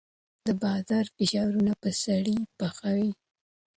د بازار فشارونه به سړی پخوي.